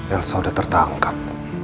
elsa udah tertangkap